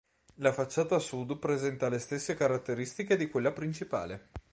La facciata sud presenta le stesse caratteristiche di quella principale.